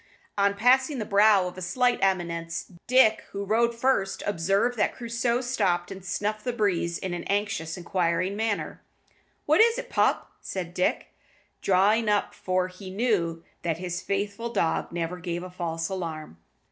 On passing the brow of a slight eminence, Dick, who rode first, observed that Crusoe stopped and snuffed the breeze in an anxious, inquiring manner. "What is't, pup?" said Dick, drawing up, for he knew that his faithful dog never gave a false alarm.